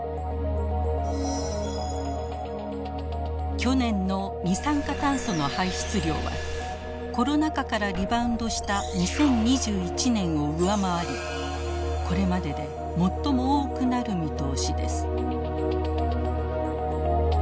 去年の二酸化炭素の排出量はコロナ禍からリバウンドした２０２１年を上回りこれまでで最も多くなる見通しです。